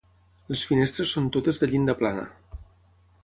Les finestres són totes de llinda plana.